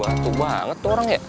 ratu banget tuh orang ya